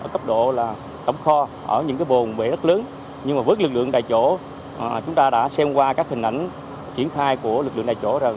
chúng ta đã xem qua các hình ảnh triển khai của lực lượng đại chỗ rồi